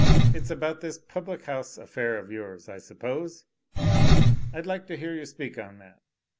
"It's about this public house affair of yours, I sup pose. I'd like to hear you speak on that.